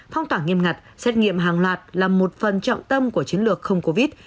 phong tỏa nghiêm ngặt xét nghiệm hàng loạt là một phần trọng tâm của chiến lược không covid